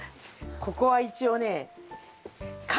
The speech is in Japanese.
ここは一応ね果樹。